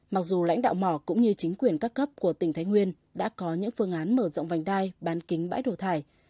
mặc dù lãnh đạo mỏ cũng như chính quyền các cấp của tỉnh thái nguyên đã có những phương án mở rộng vành đai bán kính bãi đổ thải